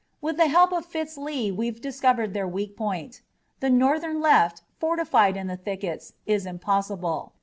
With the help of Fitz Lee we've discovered their weak point. The Northern left, fortified in the thickets, is impossible.